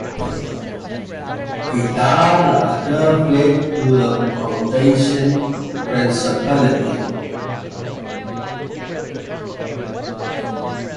Petar later fled to the Croatian principality.